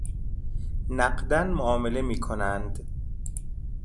نقداً معامله می کنند